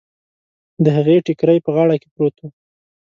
د هغې ټکری په غاړه کې پروت و.